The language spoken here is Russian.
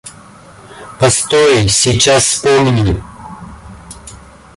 Постой, сейчас вспомню!